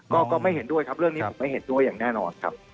ก็ไม่เห็นด้วยครับเรื่องนี้ผมไม่เห็นด้วยอย่างแน่นอนครับ